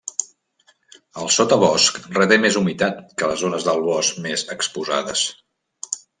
El sotabosc reté més humitat que les zones del bosc més exposades.